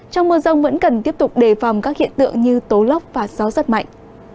trong mưa rông vẫn cần tiếp tục đề phòng các hiện tượng như tố lốc và gió rất mạnh